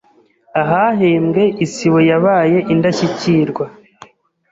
ahahembwe Isibo yabaye Indashyikirw